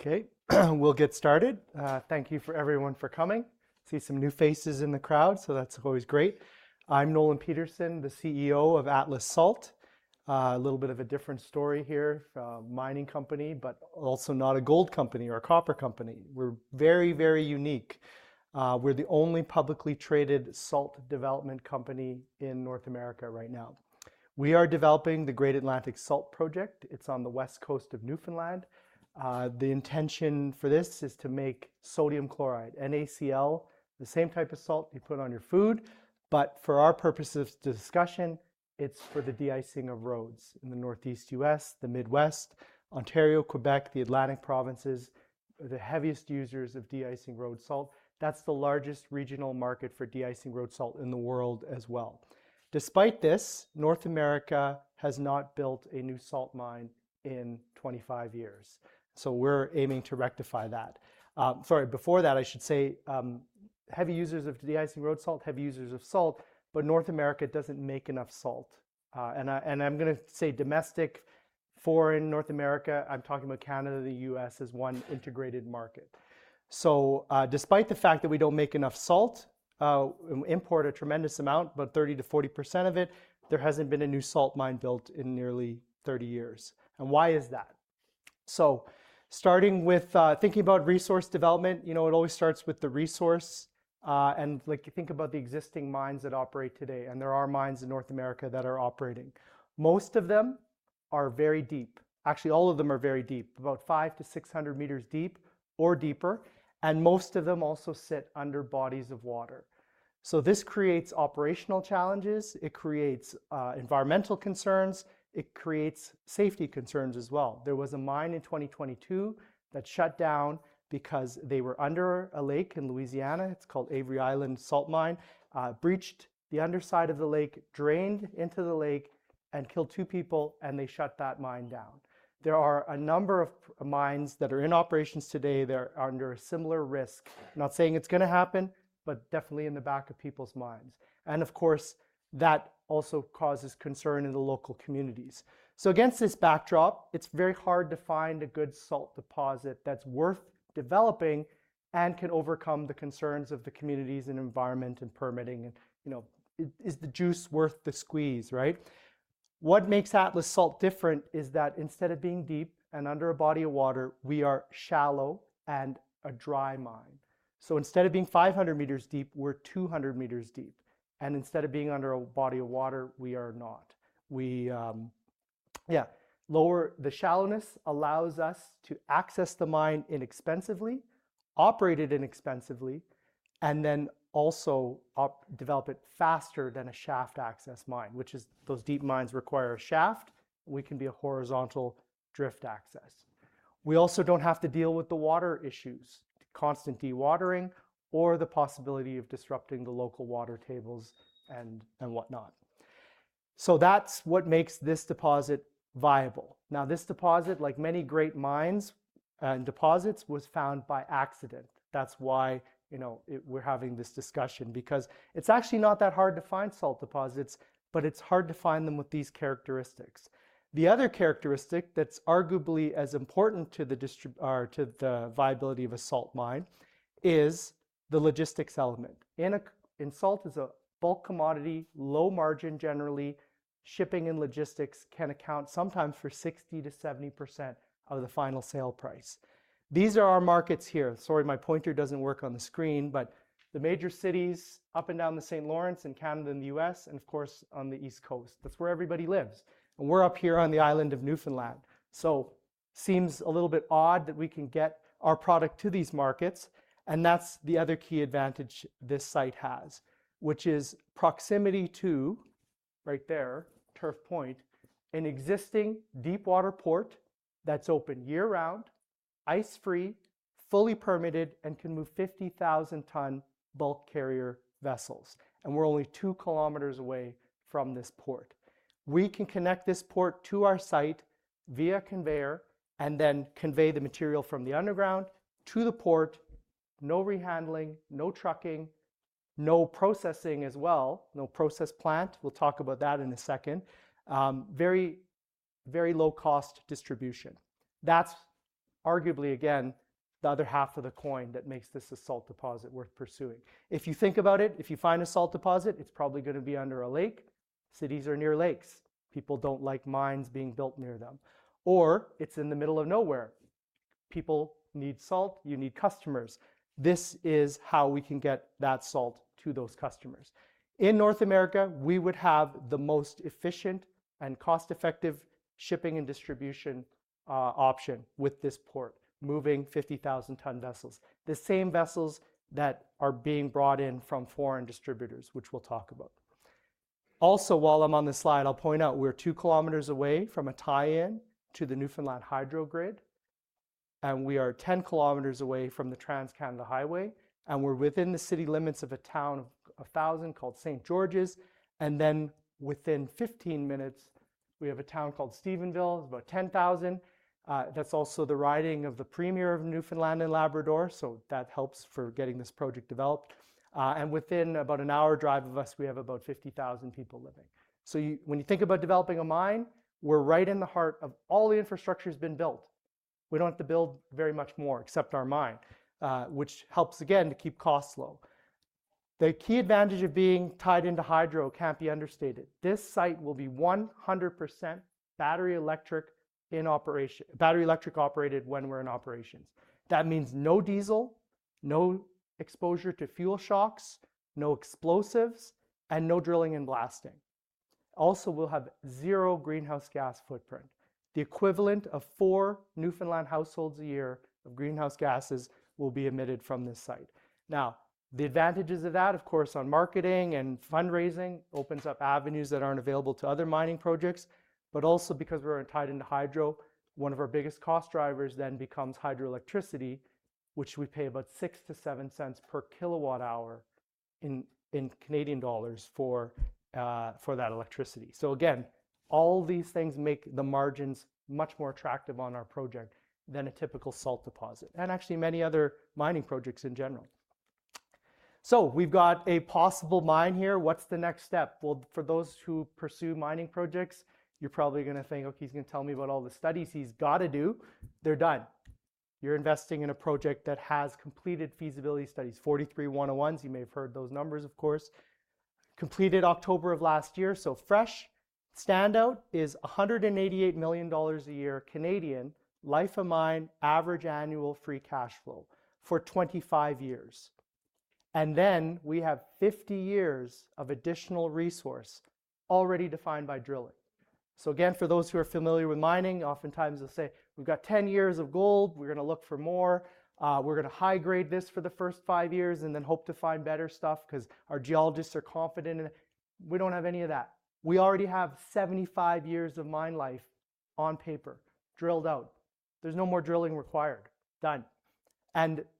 Okay, we'll get started. Thank you, everyone, for coming. I see some new faces in the crowd, so that's always great. I'm Nolan Peterson, the CEO of Atlas Salt. A little bit of a different story here. A mining company, but also not a gold company or a copper company. We're very, very unique. We're the only publicly traded salt development company in North America right now. We are developing the Great Atlantic Salt Project. It's on the west coast of Newfoundland. The intention for this is to make sodium chloride, NaCl, the same type of salt you put on your food. But for our purposes of discussion, it's for the de-icing of roads in the Northeast U.S., the Midwest, Ontario, Quebec, the Atlantic provinces. The heaviest users of de-icing road salt. That's the largest regional market for de-icing road salt in the world as well. Despite this, North America has not built a new salt mine in 25 years. We're aiming to rectify that. Sorry, before that, I should say, heavy users of de-icing road salt, heavy users of salt, but North America doesn't make enough salt. I'm going to say domestic, foreign, North America, I'm talking about Canada, the U.S. as one integrated market. Despite the fact that we don't make enough salt, import a tremendous amount, about 30%-40% of it, there hasn't been a new salt mine built in nearly 30 years. Why is that? Starting with thinking about resource development, it always starts with the resource. Like you think about the existing mines that operate today, and there are mines in North America that are operating. Most of them are very deep. Actually, all of them are very deep, about 500-600 m deep or deeper, and most of them also sit under bodies of water. This creates operational challenges, it creates environmental concerns, it creates safety concerns as well. There was a mine in 2022 that shut down because they were under a lake in Louisiana. It's called Avery Island Salt Mine. Breached the underside of the lake, drained into the lake, and killed two people, and they shut that mine down. There are a number of mines that are in operations today that are under a similar risk. Not saying it's going to happen, but definitely in the back of people's minds. Of course, that also causes concern in the local communities. Against this backdrop, it's very hard to find a good salt deposit that's worth developing and can overcome the concerns of the communities and environment and permitting, and is the juice worth the squeeze, right? What makes Atlas Salt different is that instead of being deep and under a body of water, we are shallow and a dry mine. Instead of being 500 m deep, we're 200 m deep. Instead of being under a body of water, we are not. The shallowness allows us to access the mine inexpensively, operate it inexpensively, and then also develop it faster than a shaft access mine. Those deep mines require a shaft, we can be a horizontal drift access. We also don't have to deal with the water issues, constant dewatering, or the possibility of disrupting the local water tables and whatnot. That's what makes this deposit viable. This deposit, like many great mines and deposits, was found by accident. That's why we're having this discussion, because it's actually not that hard to find salt deposits, but it's hard to find them with these characteristics. The other characteristic that's arguably as important to the viability of a salt mine is the logistics element. Salt is a bulk commodity, low margin generally. Shipping and logistics can account sometimes for 60%-70% of the final sale price. These are our markets here. Sorry, my pointer doesn't work on the screen, but the major cities up and down the St. Lawrence in Canada and the U.S., of course, on the East Coast. That's where everybody lives. We're up here on the island of Newfoundland, seems a little bit odd that we can get our product to these markets, that's the other key advantage this site has, which is proximity to, right there, Turf Point, an existing deepwater port that's open year-round, ice-free, fully permitted, and can move 50,000 ton bulk carrier vessels. We're only 2 km away from this port. We can connect this port to our site via conveyor, convey the material from the underground to the port. No rehandling, no trucking, no processing as well, no process plant. We'll talk about that in a second. Very low-cost distribution. That's arguably, again, the other half of the coin that makes this a salt deposit worth pursuing. If you think about it, if you find a salt deposit, it's probably going to be under a lake. Cities are near lakes. People don't like mines being built near them. It's in the middle of nowhere. People need salt. You need customers. This is how we can get that salt to those customers. In North America, we would have the most efficient and cost-effective shipping and distribution option with this port, moving 50,000 tons vessels. The same vessels that are being brought in from foreign distributors, which we'll talk about. While I'm on this slide, I'll point out we're 2 km away from a tie-in to the Newfoundland hydro grid. We are 10 km away from the Trans-Canada Highway, and we're within the city limits of a town of 1,000 called St. George's. Within 15 minutes, we have a town called Stephenville. It's about 10,000. That's also the riding of the Premier of Newfoundland and Labrador, that helps for getting this project developed. Within about an hour drive of us, we have about 50,000 people living. When you think about developing a mine, we're right in the heart of all the infrastructure's been built. We don't have to build very much more except our mine, which helps again to keep costs low. The key advantage of being tied into hydro can't be understated. This site will be 100% battery electric operated when we're in operations. That means no diesel, no exposure to fuel shocks, no explosives, and no drilling and blasting. We'll have zero greenhouse gas footprint. The equivalent of four Newfoundland households a year of greenhouse gases will be emitted from this site. The advantages of that, of course, on marketing and fundraising opens up avenues that aren't available to other mining projects. Because we're tied into hydro, one of our biggest cost drivers then becomes hydroelectricity, which we pay about 0.06-0.07 per kWh for that electricity. All these things make the margins much more attractive on our project than a typical salt deposit, and actually many other mining projects in general. We've got a possible mine here. What's the next step? For those who pursue mining projects, you're probably going to think, "Okay, he's going to tell me about all the studies he's got to do." They're done. You're investing in a project that has completed feasibility studies. 43-101s, you may have heard those numbers, of course. Completed October of last year, fresh. Standout is 188 million dollars a year life of mine average annual free cash flow for 25 years. We have 50 years of additional resource already defined by drilling. For those who are familiar with mining, oftentimes they'll say, "We've got 10 years of gold." We're going to look for more. We're going to high grade this for the first five years and then hope to find better stuff because our geologists are confident. We don't have any of that. We already have 75 years of mine life on paper drilled out. There's no more drilling required. Done.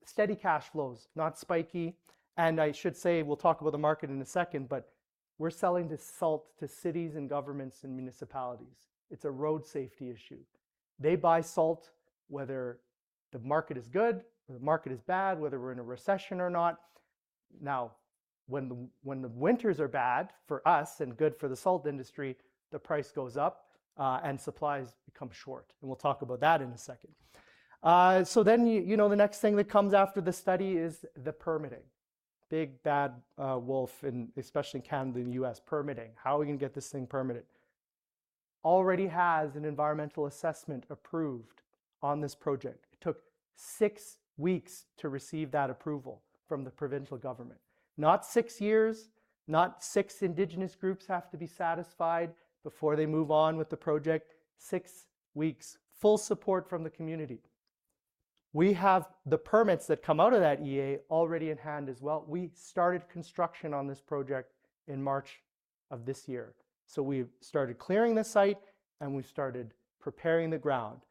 Steady cash flows, not spiky. I should say, we'll talk about the market in a second, but we're selling this salt to cities and governments and municipalities. It's a road safety issue. They buy salt whether the market is good or the market is bad, whether we're in a recession or not. When the winters are bad for us and good for the salt industry, the price goes up and supplies become short, and we'll talk about that in a second. The next thing that comes after the study is the permitting. Big bad wolf in, especially in Canada and U.S., permitting. How are we going to get this thing permitted? Already has an environmental assessment approved on this project. It took 6 weeks to receive that approval from the provincial government. Not six years. Not six indigenous groups have to be satisfied before they move on with the project. Six weeks. Full support from the community. We have the permits that come out of that EA already in hand as well. We started construction on this project in March of this year. We've started clearing the site, and we started preparing the ground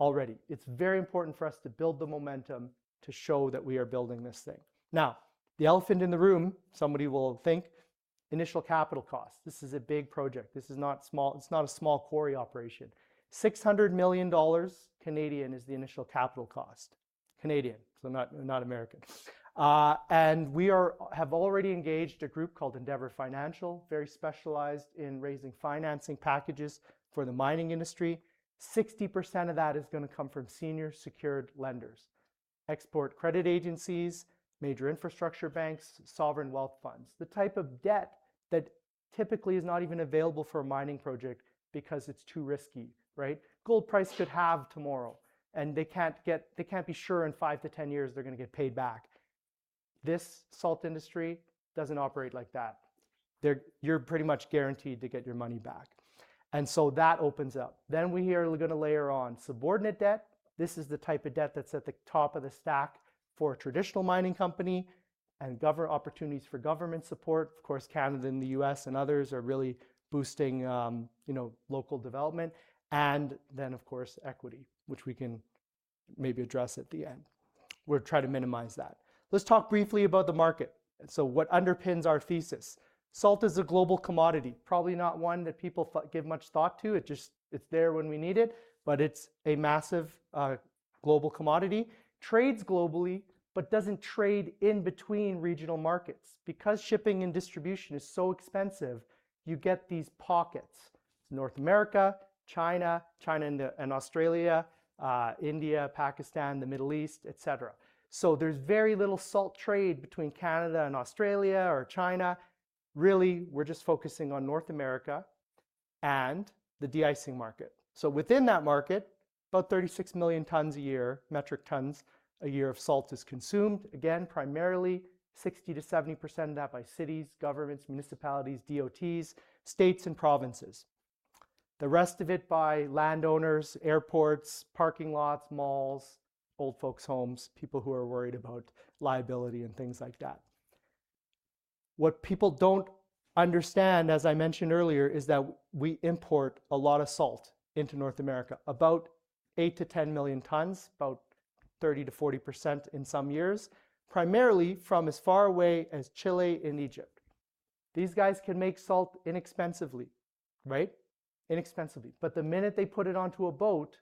already. It's very important for us to build the momentum to show that we are building this thing. The elephant in the room, somebody will think initial capital cost. This is a big project. This is not small. It's not a small quarry operation. 600 million Canadian dollars is the initial capital cost. Canadian, so not American. We have already engaged a group called Endeavour Financial, very specialized in raising financing packages for the mining industry. 60% of that is going to come from senior secured lenders, export credit agencies, major infrastructure banks, sovereign wealth funds. The type of debt that typically is not even available for a mining project because it's too risky. Gold price could halve tomorrow, and they can't be sure in 5-10 years they're going to get paid back. This salt industry doesn't operate like that. You're pretty much guaranteed to get your money back. That opens up. We are going to layer on subordinate debt. This is the type of debt that's at the top of the stack for a traditional mining company and opportunities for government support. Of course, Canada and the U.S. and others are really boosting local development. Then, of course, equity, which we can maybe address at the end. We'll try to minimize that. Let's talk briefly about the market. What underpins our thesis. Salt is a global commodity. Probably not one that people give much thought to. It's just there when we need it, but it's a massive global commodity. Trades globally, but doesn't trade in between regional markets. Because shipping and distribution is so expensive, you get these pockets. North America, China and Australia, India, Pakistan, the Middle East, et cetera. There's very little salt trade between Canada and Australia or China. Really, we're just focusing on North America and the de-icing market. Within that market, about 36 million tons a year, metric tons a year of salt is consumed, again, primarily 60%-70% of that by cities, governments, municipalities, DOTs, states, and provinces. The rest of it by landowners, airports, parking lots, malls, old folks' homes, people who are worried about liability and things like that. What people don't understand, as I mentioned earlier, is that we import a lot of salt into North America, about 8 million-10 million tons, about 30%-40% in some years, primarily from as far away as Chile and Egypt. These guys can make salt inexpensively. Right? Inexpensively. The minute they put it onto a boat,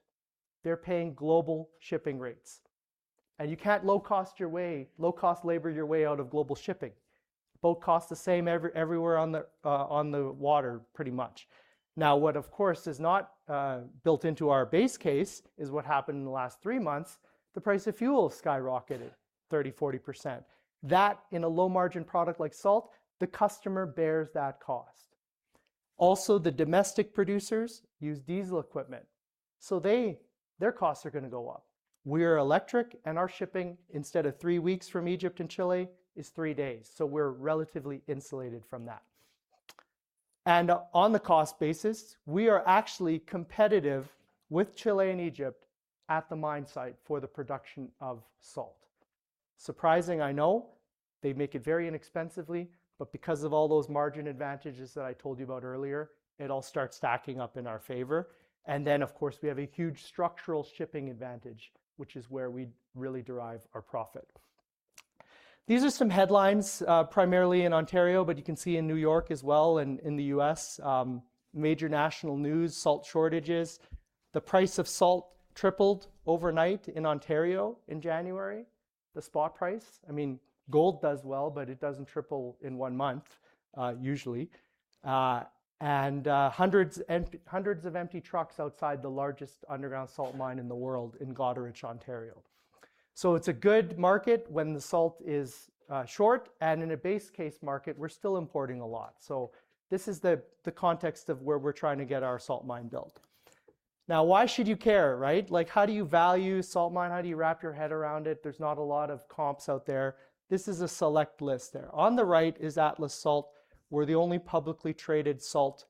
they're paying global shipping rates. You can't low-cost labor your way out of global shipping. Boat costs the same everywhere on the water, pretty much. What of course is not built into our base case is what happened in the last three months. The price of fuel skyrocketed 30%, 40%. That, in a low-margin product like salt, the customer bears that cost. The domestic producers use diesel equipment, so their costs are going to go up. We're electric, and our shipping, instead of three weeks from Egypt and Chile, is three days. We're relatively insulated from that. On the cost basis, we are actually competitive with Chile and Egypt at the mine site for the production of salt. Surprising, I know. They make it very inexpensively, because of all those margin advantages that I told you about earlier, it all starts stacking up in our favor. Then, of course, we have a huge structural shipping advantage, which is where we really derive our profit. These are some headlines, primarily in Ontario, you can see in New York as well, and in the U.S. Major national news, salt shortages. The price of salt tripled overnight in Ontario in January, the spot price. Gold does well, but it doesn't triple in one month, usually. Hundreds of empty trucks outside the largest underground salt mine in the world in Goderich, Ontario. It's a good market when the salt is short, and in a base case market, we're still importing a lot. This is the context of where we're trying to get our salt mine built. Why should you care, right? How do you value salt mine? How do you wrap your head around it? There's not a lot of comps out there. This is a select list there. On the right is Atlas Salt. We're the only publicly traded salt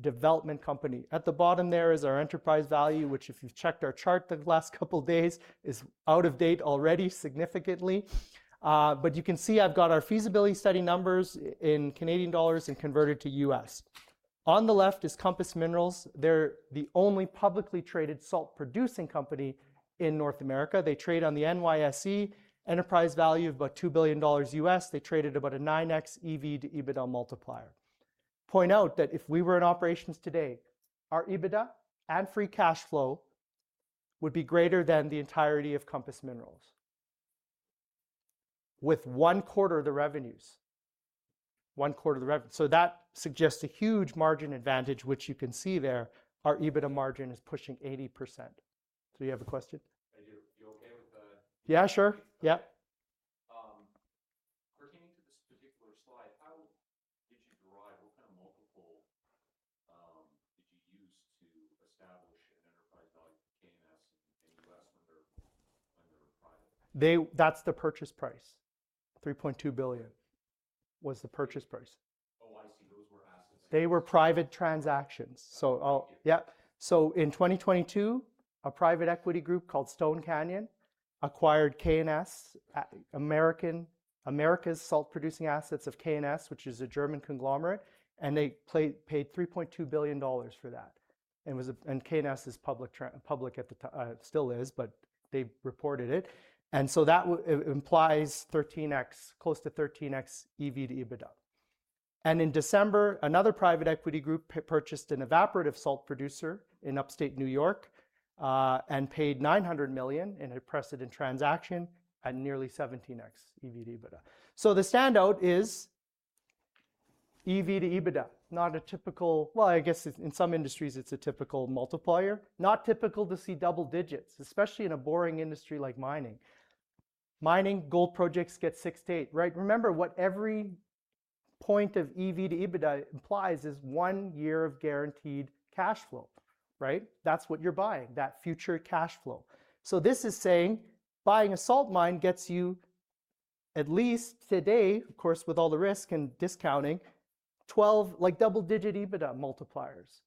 development company. At the bottom there is our enterprise value, which if you've checked our chart the last couple of days, is out of date already significantly. You can see I've got our feasibility study numbers in Canadian dollars and converted to U.S.. On the left is Compass Minerals. They're the only publicly traded salt-producing company in North America. They trade on the NYSE, enterprise value of about $2 billion. They trade at about a 9x EV to EBITDA multiplier. Point out that if we were in operations today, our EBITDA and free cash flow would be greater than the entirety of Compass Minerals with one quarter of the revenues. That suggests a huge margin advantage, which you can see there. Our EBITDA margin is pushing 80%. Do you have a question? I do. Yeah, sure. Yeah. Pertaining to this particular slide, how did you derive, what kind of multiple did you use to establish an enterprise value for K+S in the U.S. when they were private? That's the purchase price. 3.2 billion was the purchase price. Oh, I see. Those were assets. They were private transactions. Okay. Thank you. In 2022, a private equity group called Stone Canyon acquired K+S Americas' salt-producing assets of K+S, which is a German conglomerate, and they paid $3.2 billion for that. K+S is public, still is, but they reported it. That implies close to 13x EV to EBITDA. In December, another private equity group purchased an evaporative salt producer in upstate New York, and paid $900 million in a precedent transaction at nearly 17x EV to EBITDA. The standout is EV to EBITDA. Well, I guess in some industries, it's a typical multiplier. Not typical to see double digits, especially in a boring industry like mining. Mining gold projects get six to eight. Right? Remember, what every point of EV to EBITDA implies is one year of guaranteed cash flow. Right? That's what you're buying, that future cash flow. This is saying buying a salt mine gets you, at least today, of course, with all the risk and discounting, 12, double-digit EBITDA multipliers.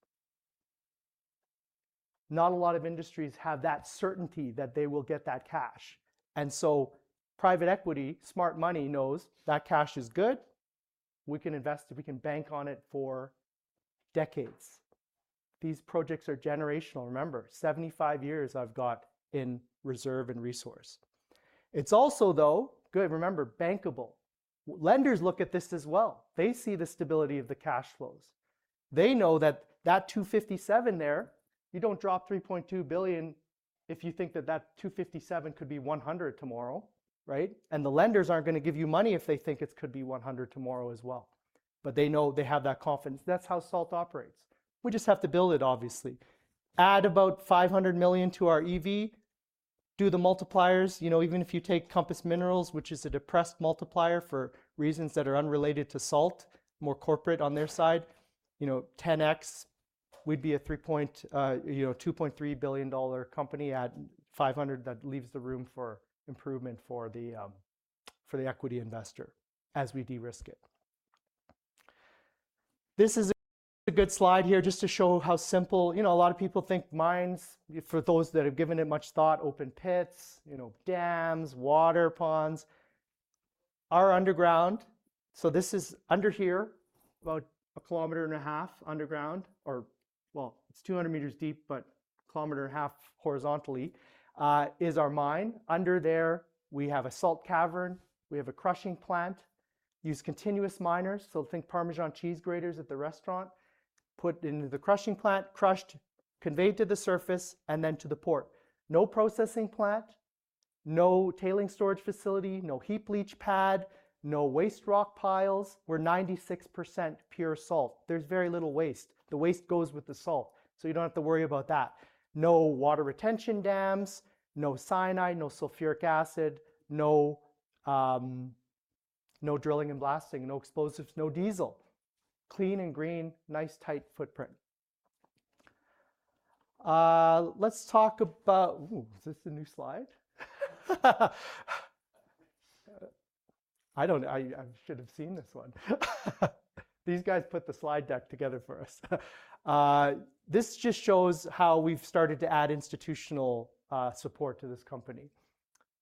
Not a lot of industries have that certainty that they will get that cash. Private equity, smart money knows that cash is good. We can invest it. We can bank on it for decades. These projects are generational. Remember, 75 years I've got in reserve and resource. It's also, though, remember, bankable. Lenders look at this as well. They see the stability of the cash flows. They know that that 257 million there, you don't drop 3.2 billion if you think that that 257 million could be 100 million tomorrow. Right? The lenders aren't going to give you money if they think it could be 100 million tomorrow as well. They know they have that confidence. That's how salt operates. We just have to build it, obviously. Add about 500 million to our EV. Do the multipliers. Even if you take Compass Minerals, which is a depressed multiplier for reasons that are unrelated to salt, more corporate on their side, 10X, we'd be a 2.3 billion dollar company. Add 500 million, that leaves the room for improvement for the equity investor as we de-risk it. This is a good slide here just to show how simple. A lot of people think mines, for those that have given it much thought, open pits, dams, water ponds are underground. This is under here, about a kilometer and a half underground, or, well, it's 200 m deep, but kilometer and a half horizontally, is our mine. Under there, we have a salt cavern. We have a crushing plant. Use continuous miners, think Parmesan cheese graters at the restaurant, put into the crushing plant, crushed, conveyed to the surface, and then to the port. No processing plant, no tailing storage facility, no heap leach pad, no waste rock piles. We're 96% pure salt. There's very little waste. The waste goes with the salt, so you don't have to worry about that. No water retention dams, no cyanide, no sulfuric acid, no drilling and blasting, no explosives, no diesel. Clean and green, nice tight footprint. Let's talk about. Ooh, is this a new slide? I should have seen this one. These guys put the slide deck together for us. This just shows how we've started to add institutional support to this company.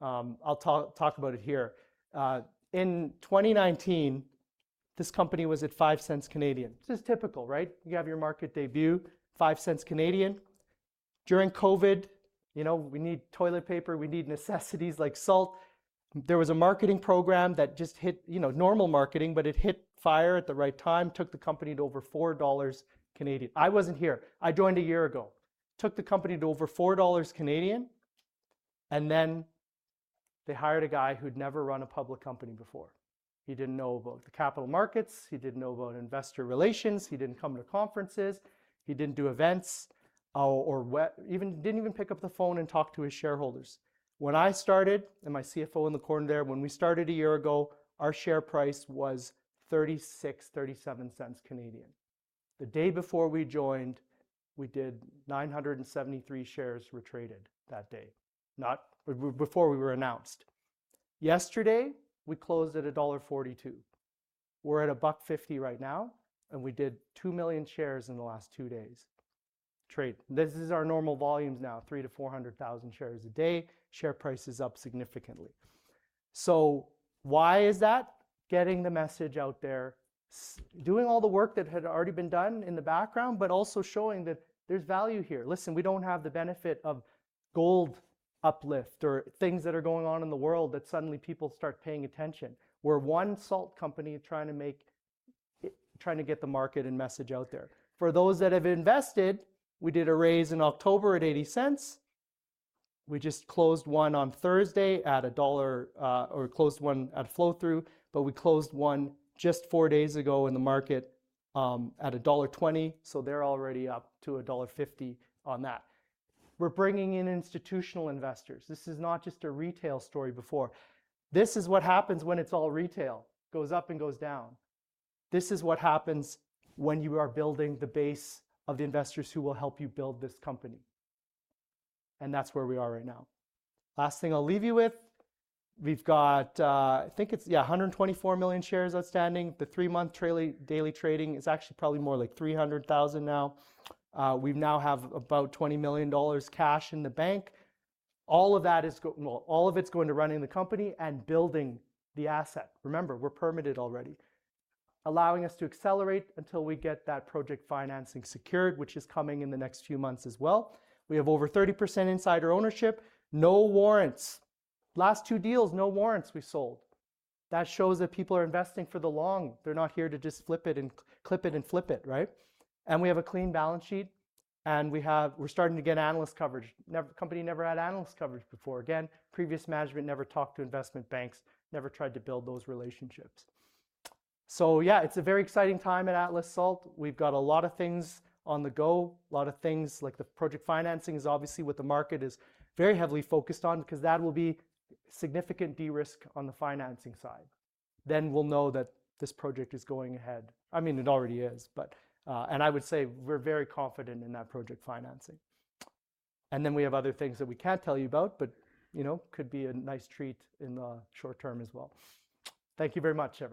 I'll talk about it here. In 2019, this company was at 0.05. This is typical, right? You have your market debut, 0.05. During COVID, we need toilet paper, we need necessities like salt. There was a marketing program, normal marketing, but it hit fire at the right time, took the company to over 4 Canadian dollars. I wasn't here. I joined a year ago. Took the company to over 4 Canadian dollars, they hired a guy who'd never run a public company before. He didn't know about the capital markets. He didn't know about investor relations. He didn't come to conferences. He didn't do events, or didn't even pick up the phone and talk to his shareholders. When I started, and my CFO in the corner there, when we started a year ago, our share price was 0.36, CAD 0.37. The day before we joined, we did 973 shares were traded that day, before we were announced. Yesterday, we closed at dollar 1.42. We're at 1.50 right now, and we did 2 million shares in the last 2 days, trade. This is our normal volumes now, 300,000-400,000 shares a day. Share price is up significantly. Why is that? Getting the message out there, doing all the work that had already been done in the background, but also showing that there's value here. Listen, we don't have the benefit of gold uplift or things that are going on in the world that suddenly people start paying attention. We're one salt company trying to get the market and message out there. For those that have invested, we did a raise in October at 0.80. We just closed one on Thursday at CAD 1, or closed one at flow-through, but we closed one just 4 days ago in the market, at dollar 1.20, so they're already up to dollar 1.50 on that. We're bringing in institutional investors. This is not just a retail story before. This is what happens when it's all retail. Goes up and goes down. This is what happens when you are building the base of the investors who will help you build this company, and that's where we are right now. Last thing I'll leave you with, we've got, 124 million shares outstanding. The three-month daily trading is actually probably more like 300,000 now. We now have about 20 million dollars cash in the bank. All of it's going to running the company and building the asset. Remember, we're permitted already, allowing us to accelerate until we get that project financing secured, which is coming in the next few months as well. We have over 30% insider ownership. No warrants. Last two deals, no warrants we've sold. That shows that people are investing for the long. They're not here to just clip it and flip it, right? We have a clean balance sheet. And we're starting to get analyst coverage. Company never had analyst coverage before. Again, previous management never talked to investment banks, never tried to build those relationships. Yeah, it's a very exciting time at Atlas Salt. We've got a lot of things on the go, lot of things, like the project financing is obviously what the market is very heavily focused on because that will be significant de-risk on the financing side. We will know that this project is going ahead. I mean, it already is. I would say we're very confident in that project financing. Then we have other things that we can't tell you about, but could be a nice treat in the short term as well. Thank you very much, everyone.